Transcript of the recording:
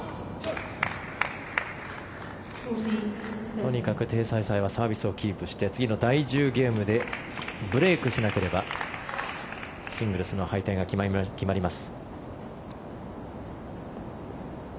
とにかくテイ・サイサイはサービスをキープして次の第１０ゲームでブレークしなければシングルスの敗退が決まります。